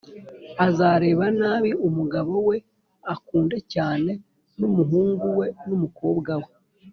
azareba nabi umugabo we akunda cyane n’umuhungu we n’umukobwawe,